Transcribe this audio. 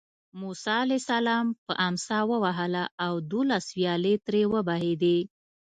موسی علیه السلام په امسا ووهله او دولس ویالې ترې وبهېدې.